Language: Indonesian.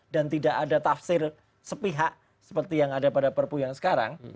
dan tidak ada tafsir sepihak seperti yang ada pada perpu yang sekarang